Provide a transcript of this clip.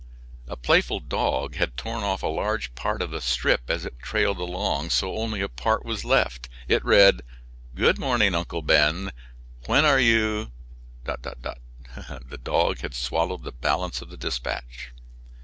A playful dog had torn off a large part of the strip as it trailed along, so only a part was left. It read, "Good morning, Uncle Ben. When are you " The dog had swallowed the balance of the dispatch.